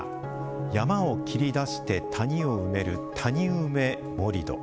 山を切り出して谷を埋める「谷埋め盛土」。